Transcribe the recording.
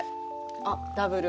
あっダブル。